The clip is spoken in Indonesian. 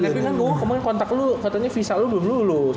tapi kan gue kemaren kontak lo katanya visa lo belum lulus